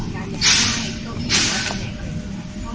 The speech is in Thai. ไม่ต่อไป